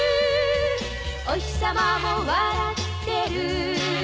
「おひさまも笑ってる」